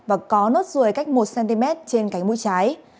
và có nốt ruồi cách một cm trên cánh mũi trái